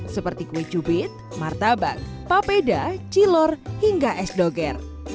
seperti kue cubit martabak papeda cilor hingga es doger